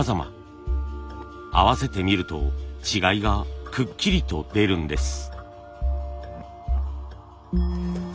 合わせてみると違いがくっきりと出るんです。